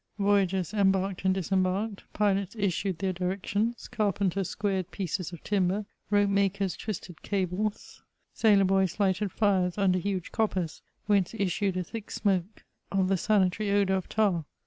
Voyagers embarked and dis embarked ; pilots issued their directions ; carpenters squared pieces of timber; rope makers twisted cables; sailor boys CHATEAUBRIAND. 113 lighted fires under huge coppers, whence issued a thick smoke of the sanitary odour of tar.